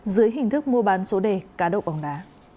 dưới hình thức mua bán số đề cá độ bóng đá